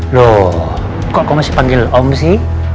loh kok kamu masih panggil om sih